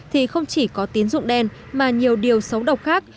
thì không chỉ có tín dụng đen mà nhiều điều xấu độc khác